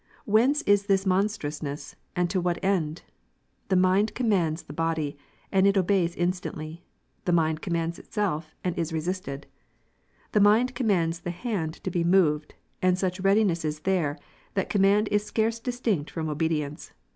Whence is this mon strousness ? and to what end ? The mind commands the body, and it obeys instantly ; the mind commands itself, and is resisted^. The mind commands the hand to be moved; and such readiness is there, that command is scarce distinct from obedience.